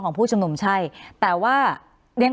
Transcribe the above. คุณลำซีมัน